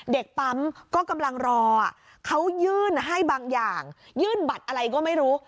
เด็กปั๊มก็กำลังรอเขายื่นให้บางอย่างยื่นบัตรอะไรก็ไม่รู้